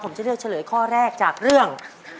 ผมจะเลือกเฉลยข้อแรกจากเรื่อง